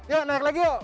yuk naik lagi yuk